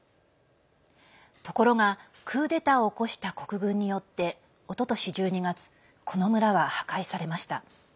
ところが、クーデターを起こした国軍によっておととし、１２月この村は破壊されました。